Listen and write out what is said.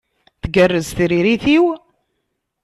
Tgerrez tiririt-iw?